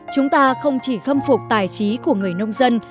chúng ta không chỉ khâm phục tài trí của người nông dân